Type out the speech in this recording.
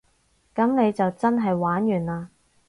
噉你就真係玩完嘞